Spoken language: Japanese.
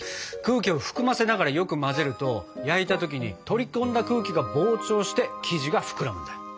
空気を含ませながらよく混ぜると焼いたときに取り込んだ空気が膨張して生地が膨らむんだ。